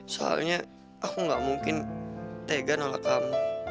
soalnya aku gak mungkin tega kalau kamu